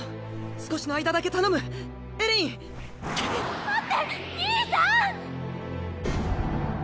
少しの間だけ頼むエレイン待って兄さん！